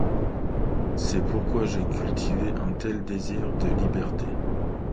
C'est pourquoi j'ai cultivé un tel désir de liberté.